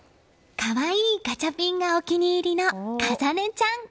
可愛いガチャピンがお気に入りの華紗音ちゃん。